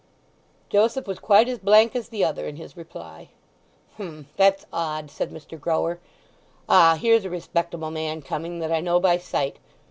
Joseph was quite as blank as the other in his reply. "H'm—that's odd," said Mr. Grower. "Ah—here's a respectable man coming that I know by sight.